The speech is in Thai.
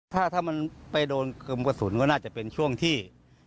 ถ้ามันไปโดนกลมกระสุนก็น่าจะเป็นช่วงที่